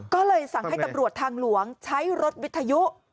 ก็เลยสั่งให้ตำรวจทางหลวงใช้รถวิทยุ